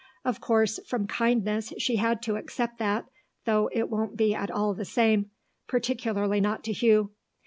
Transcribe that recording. Of course from kindness she had to accept that, though it won't be at all the same, particularly not to Hugh.